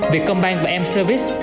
việc công ban và m service